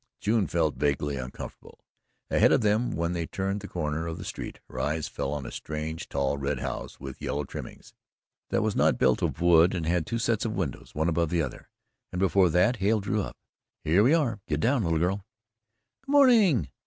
June felt vaguely uncomfortable. Ahead of them, when they turned the corner of the street, her eyes fell on a strange tall red house with yellow trimmings, that was not built of wood and had two sets of windows one above the other, and before that Hale drew up. "Here we are. Get down, little girl." "Good morning!"